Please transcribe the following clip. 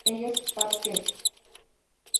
ellas parten